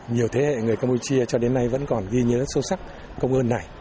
nhiều thế hệ người campuchia cho đến nay vẫn còn ghi nhớ sâu sắc công ơn này